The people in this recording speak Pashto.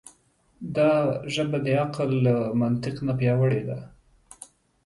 دا ژبه د عقل له منطق نه پیاوړې ده.